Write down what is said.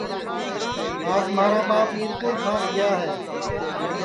آج مھارا ٻاپ میرپُورکاس گیا ہے